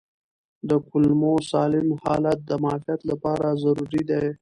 د کولمو سالم حالت د معافیت لپاره ضروري دی.